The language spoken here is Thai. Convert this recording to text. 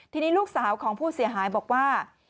ทีนี้ลูกสาวของผู้เสียหายบอกว่า